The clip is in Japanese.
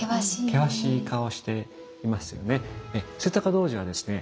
険しい顔をしていますよね。